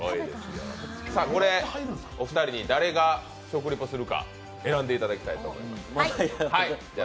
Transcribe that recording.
これお二人に誰が食リポするか選んでいただきたいと思います。